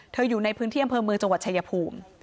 อยู่ในพื้นที่อำเภอเมืองจังหวัดชายภูมิ